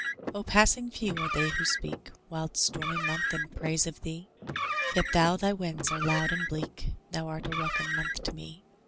Ah, passing few are they who speak, Wild, stormy month! in praise of thee; Yet though thy winds are loud and bleak, Thou art a welcome month to me.